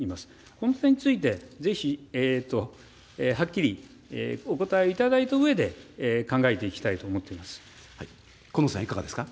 この点について、ぜひはっきりお答えいただいたうえで考えていきたいと思っていま河野さん、いかがですか。